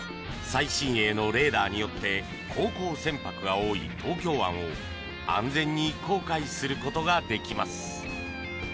最新鋭のレーダーによって航行船舶が多い東京湾を安全に航海することができます。